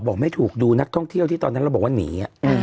บอกไม่ถูกดูนักท่องเที่ยวที่เราอ่านว่าหนี